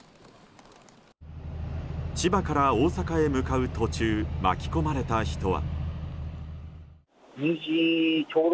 千葉から大阪へ向かう途中巻き込まれた人は。